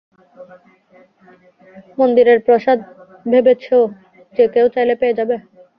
মন্দিরের প্রসাদ ভেবেছ যেকেউ চাইলে পেয়ে যাবে?